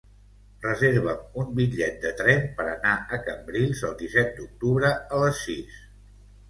Reserva'm un bitllet de tren per anar a Cambrils el disset d'octubre a les sis.